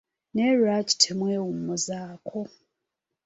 Naye lwaki temwewummuzaako.